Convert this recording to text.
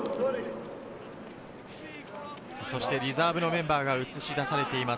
リザーブのメンバーが映し出されています。